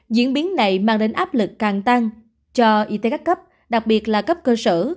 diễn biến này mang đến áp lực càng tăng cho y tế các cấp đặc biệt là cấp cơ sở